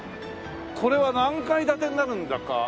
これは何階建てになるんだか。